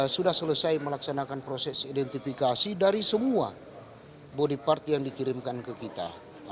sudah selesai melaksanakan proses identifikasi dari semua body part yang dikirimkan ke kita